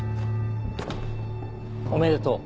おめでとう。